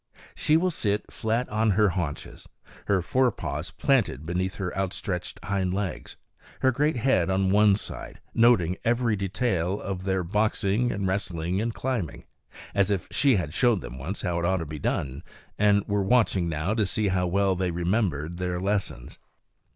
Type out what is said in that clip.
She will sit flat on her haunches, her fore paws planted between her outstretched hind legs, her great head on one side, noting every detail of their boxing and wrestling and climbing, as if she had showed them once how it ought to be done and were watching now to see how well they remembered their lessons.